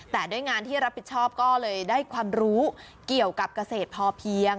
แต่ด้วยงานที่รับผิดชอบก็เลยได้ความรู้เกี่ยวกับเกษตรพอเพียง